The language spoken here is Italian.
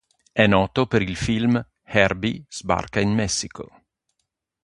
È noto per il film "Herbie sbarca in Messico".